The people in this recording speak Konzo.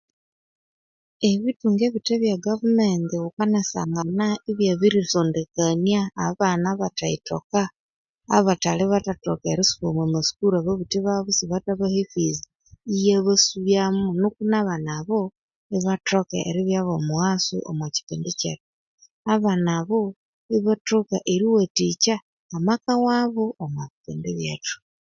Ebithunga ebithe ebye gavumenti wukanasangana ibyabiri sondekania abana abathe yithoka abathali bathathoka erisuba omwa masukuru ababuthi babo isibatha baha e fizi iyabasubyamo nuko nabana abo ibathoka eribya bomughaso omwa kyipindi kyethu. Abana abo ibathoka eriwathikya amaka wabo omwa bipindi byethu.